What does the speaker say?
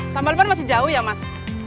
sambal ban masih jauh ya mas